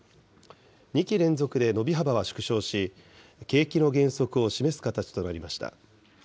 ２期連続で伸び幅は縮小し、景気の減速を示す形となりました。